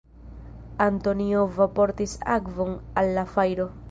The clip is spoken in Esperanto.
Antoniova portis akvon al la fajro.